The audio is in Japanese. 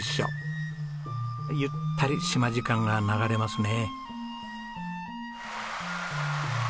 ゆったり島時間が流れますね。